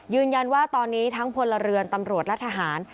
ยืนยันว่าตอนนี้ทั้งพลเรือนตำรวจและทหาร